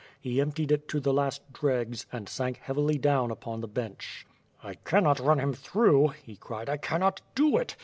He emptied it to the last dregs, and sank heavily down on the bench. "I cannot run him through," he cried. "I cannot do it!